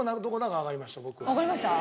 わかりました？